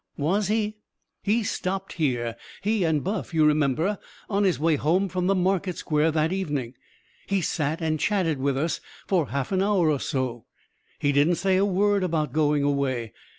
Was he? He stopped here he and Buff you remember, on his way home from the market square that evening. He sat and chatted with us for half an hour or so. He didn't say a word about going away.